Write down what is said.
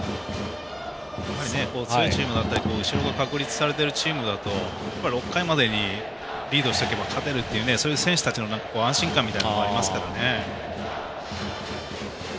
強いチームだったり後ろが確立されてるチームだと６回までにリードしておけば勝てるっていう選手たちの安心感がありますから。